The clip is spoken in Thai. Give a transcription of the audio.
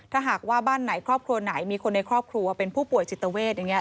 ถ้าหากว่าบ้านไหนครอบครัวไหนมีคนในครอบครัวเป็นผู้ป่วยจิตเวทอย่างนี้